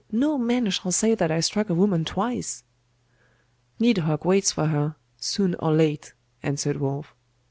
No man shall say that I struck a woman twice.' 'Nidhogg waits for her, soon or late,' answered Wulf.